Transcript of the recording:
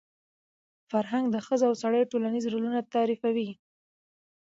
فرهنګ د ښځو او سړیو ټولنیز رولونه تعریفوي.